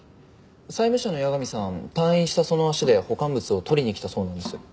債務者の矢上さん退院したその足で保管物を取りに来たそうなんです。